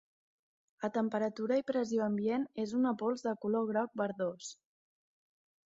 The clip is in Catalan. A temperatura i pressió ambient és una pols de color groc verdós.